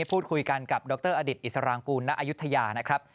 พูดคุยกันกับดรอิษฐอิสรางกูลณอายุทยานะครับ